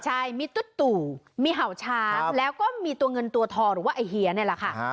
ใช่มีตุ๊ดตู่มีเห่าช้างแล้วก็มีตัวเงินตัวทองหรือว่าไอ้เฮียนี่แหละค่ะ